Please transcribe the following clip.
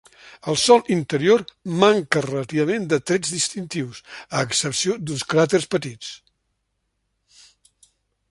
El sòl interior manca relativament de trets distintius, a excepció d'uns cràters petits.